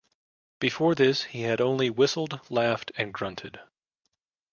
Before this he had only whistled, laughed, and grunted.